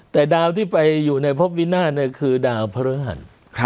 แต่ดาวที่ไปอยู่ในพบวินาศคือดาวพระฤหัส